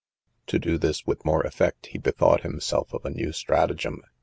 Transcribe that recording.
To do this with more effect, he bethought himself of a new stratagem.